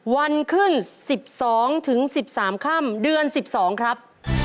วันขึ้น๑๒ถึง๑๓ค่ำเดือน๑๒ครับ